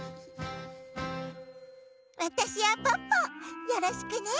わたしはポッポよろしくね。